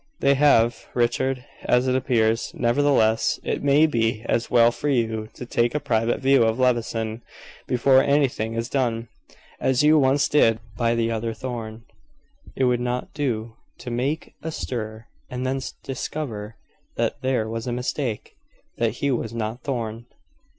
"They have, Richard, as it appears. Nevertheless, it may be as well for you to take a private view of Levison before anything is done as you once did by the other Thorn. It would not do to make a stir, and then discover that there was a mistake that he was not Thorn."